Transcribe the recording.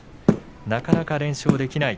なかなか連勝できない。